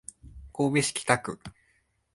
神戸市北区